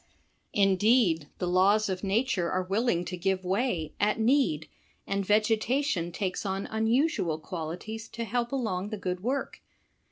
Indeed the laws of nature are willing to give way, at need, and vegeta tion takes on unusual qualities to help along the good work.